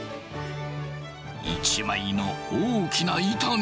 一枚の大きな板に。